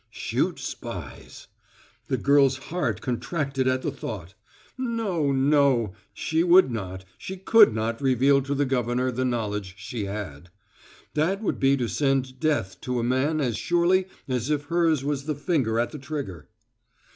Shoot spies! The girl's heart contracted at the thought. No, no! She would not she could not reveal to the governor the knowledge she had. That would be to send death to a man as surely as if hers was the finger at the trigger.